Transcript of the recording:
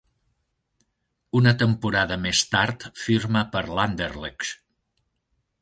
Una temporada més tard firma per l'Anderlecht.